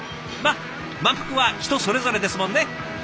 満腹は人それぞれですもんね。